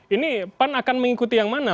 ini pan akan mengikuti yang mana